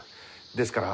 ですから。